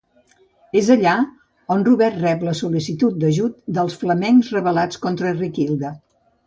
És allà on Robert rep la sol·licitud d'ajut dels flamencs rebel·lats contra Riquilda.